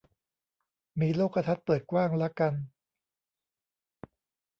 มีโลกทัศน์เปิดกว้างละกัน